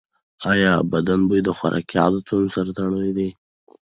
ایا بدن بوی د خوراکي عادتونو سره تړلی دی؟